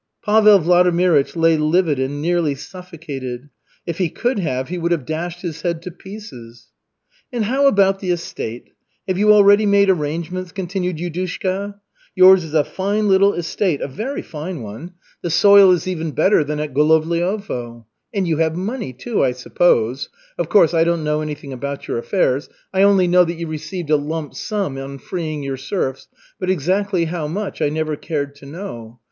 Pavel Vladimirych lay livid and nearly suffocated. If he could have, he would have dashed his head to pieces. "And how about the estate? Have you already made arrangements?" continued Yudushka. "Yours is a fine little estate, a very fine one. The soil is even better than at Golovliovo. And you have money, too, I suppose. Of course, I don't know anything about your affairs. I only know that you received a lump sum on freeing your serfs, but exactly how much, I never cared to know.